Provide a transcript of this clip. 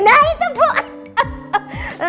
nah itu bu